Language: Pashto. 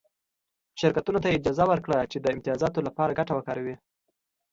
شرکتونو ته یې اجازه ورکړه چې د امتیازاتو لپاره ګټه وکاروي